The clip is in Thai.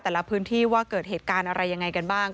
ในพื้นที่ว่าเกิดเหตุการณ์อะไรยังไงกันบ้าง